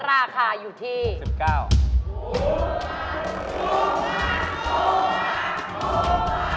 ราคาอยู่ที่๑๙บาท